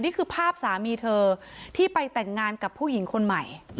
นี่คือภาพสามีเธอที่ไปแต่งงานกับผู้หญิงคนใหม่